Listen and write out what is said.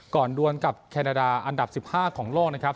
ดวนกับแคนาดาอันดับ๑๕ของโลกนะครับ